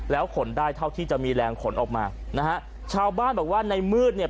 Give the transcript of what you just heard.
แล้วขนได้เท่าที่จะมีแรงขนออกมานะฮะชาวบ้านบอกว่าในมืดเนี่ย